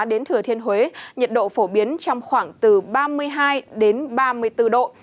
đến thừa thiên huế nhiệt độ phổ biến trong khoảng từ ba mươi hai ba mươi bốn độ